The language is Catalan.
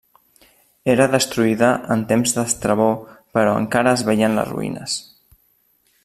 Era destruïda en temps d'Estrabó però encara es veien les ruïnes.